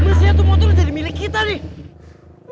mesti aku mau turun jadi milik kita nih